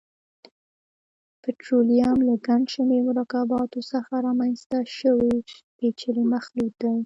پټرولیم له ګڼشمېر مرکباتو څخه رامنځته شوی پېچلی مخلوط دی.